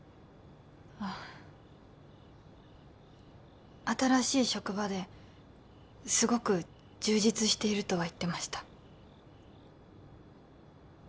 ああ新しい職場ですごく充実しているとは言ってました